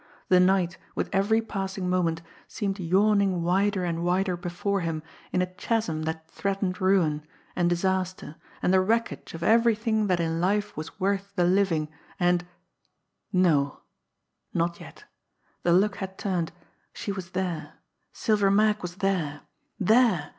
The night with every passing moment seemed yawning wider and wider before him in a chasm that threatened ruin, and disaster, and the wreckage of everything that in life was worth the living, and no,' Not yet! The luck had turned! She was there! Silver Mag was there! There!